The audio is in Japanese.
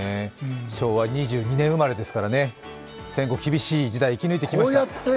昭和２２年生まれですから、戦後厳しい時代を生き抜いてきましたから。